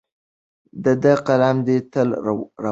د ده قلم دې تل روان وي.